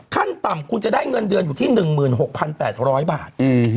ขั้นต่ำคุณจะได้เงินเดือนอยู่ที่๑๖๘๐๐บาท